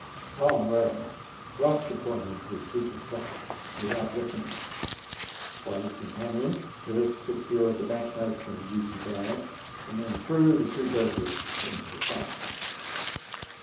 Tom Rain thrust the coin into his breeches' pocket without reckoning it; while his companion first secured the Bank notes in the greasy bag, and then threw the two purses into the fire.